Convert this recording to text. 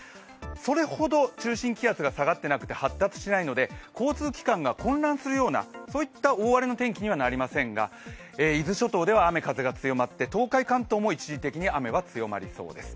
それほど中心気圧が下がってなくて発達しないので、交通機関が混乱するような、そういった大荒れの天気にはなりませんが、伊豆諸島では雨風が強まって、東海・関東でも一時的に雨が強まりそうです。